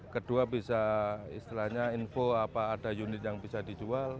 kedua bisa istilahnya info apa ada unit yang bisa dijual